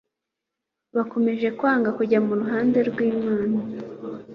bakomeje kwanga kujya mu ruhande rwImana